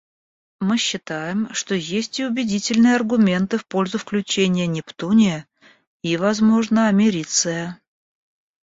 Мы считаем, что есть и убедительные аргументы в пользу включения нептуния и, возможно, америция.